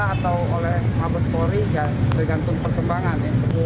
atau oleh mabes polri ya tergantung perkembangan